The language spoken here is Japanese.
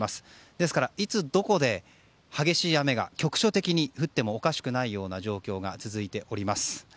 ですから、いつどこで激しい雨が局所的に降ってもおかしくないような状況が続いております。